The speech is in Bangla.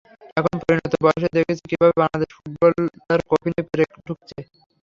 এখন পরিণত বয়সে দেখছি কীভাবে বাংলাদেশের ফুটবল তার কফিনে পেরেক ঠুকছে।